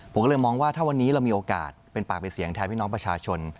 ผมก็เลยมองว่าถ้าวันนี้เรามีโอกาสเป็นปากเป็นเสียงแทนพี่น้องประชาชน